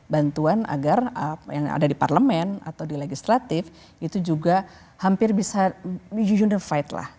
bantuan agar yang ada di parlemen atau di legislatif itu juga hampir bisa unified lah